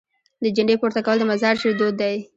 د جنډې پورته کول د مزار شریف دود دی.